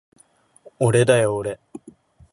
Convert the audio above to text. おれだよおれ